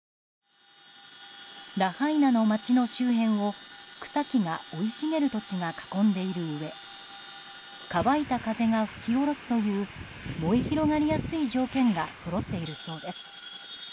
ラハイナの町の周辺を草木が生い茂る土地が囲んでいるうえ乾いた風が吹き下ろすという燃え広がりやすい条件がそろっているそうです。